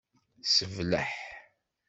Sebleḥ.